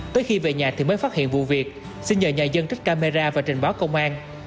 tới khi về nhà thì mới phát hiện vụ việc xin nhờ nhà dân trích camera và trình báo công an